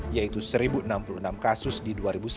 yaitu satu enam puluh enam kasus di dua ribu sembilan belas